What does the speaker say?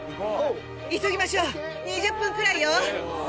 急ぎましょう、２０分ぐらいよ。